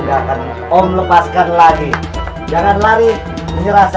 gak akan om lepaskan lagi jangan lari menyerah